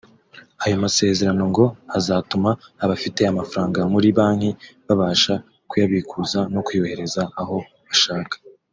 Ayo masezerano ngo azatuma abafite amafaranga muri banki babasha kuyabikuza no kuyohereza aho bashaka